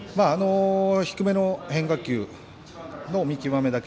低めの変化球の見極めだけ。